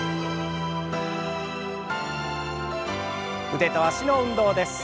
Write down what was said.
腕と脚の運動です。